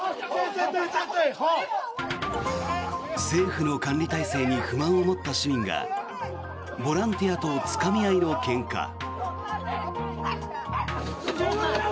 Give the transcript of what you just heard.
政府の管理体制に不満を持った市民がボランティアとつかみ合いのけんか。